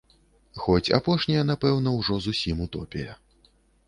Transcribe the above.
Хоць апошняе, напэўна, ужо зусім утопія.